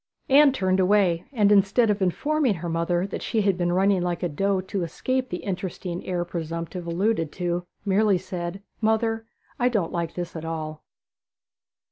Anne turned away, and instead of informing her mother that she had been running like a doe to escape the interesting heir presumptive alluded to, merely said 'Mother, I don't like this at all.'